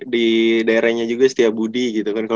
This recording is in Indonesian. di daerahnya juga setia budi gitu kan